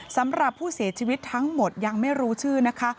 สำหรับผู้เสียชีวิตทั้งหมดยังไม่รู้ชื่อนะคะ